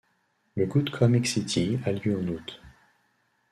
Le Good Comic City a lieu en août.